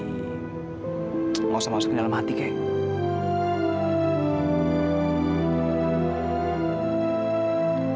tidak usah masuk ke dalam hati kek